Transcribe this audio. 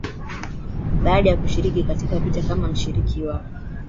baada ya kushiriki katika vita kama mshiriki wa